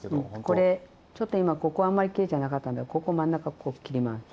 これちょっと今ここあんまりきれいじゃなかったんでここ真ん中こう切ります。